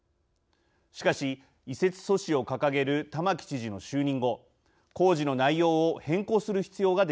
しかし移設阻止を掲げる玉城知事の就任後工事の内容を変更する必要が出てきました。